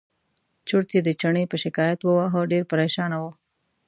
چورت یې د چڼي په شکایت وواهه ډېر پرېشانه و.